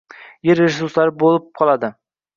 – yer resurslari bo‘lib qoladi.